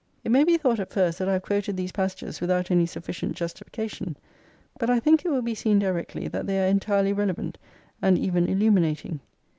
'" It may be thought at first that I have quoted these passages without any sufficient justification ; but I think it will be seen directly that they are entirely relevant and even illuminating.